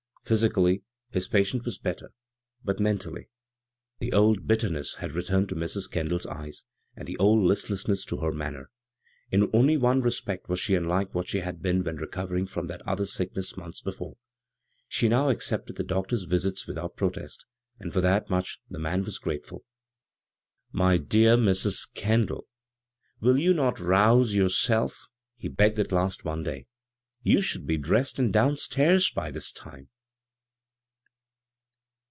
Physically his patient was better ; but mentally — 1 The old bitterness had returned to Mrs. Kendall's eyes, and the old listlessness to her manner. In only one respect was she unlike what she had been when recovering from that "■*— r sickness months before: she now ac ed the doctor's visits without protest, and hat much the man was grateful. My dear Mrs. Kendall, will you not rouse »58 _iv, Goog[c CROSS CURRENTS yourself ?" he begged at last, one day. " Yoa should be dressed and down stairs by this time."